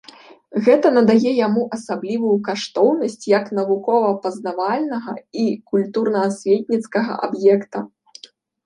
Гэта надае яму асаблівую каштоўнасць як навукова-пазнавальнага і культурна-асветніцкага аб'екта.